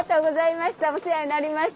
お世話になりました！